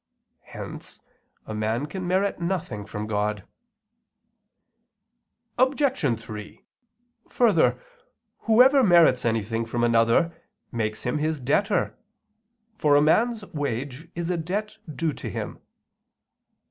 Hence a man can merit nothing from God. Obj. 3: Further, whoever merits anything from another makes him his debtor; for a man's wage is a debt due to him.